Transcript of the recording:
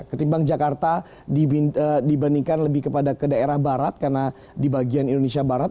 ketimbang jakarta dibandingkan lebih kepada ke daerah barat karena di bagian indonesia barat